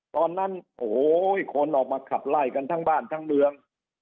ตอนนั้นโอ้โหคนออกมาขับไล่กันทั้งบ้านทั้งเมือง